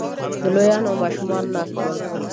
لويان او ماشومان ناست ول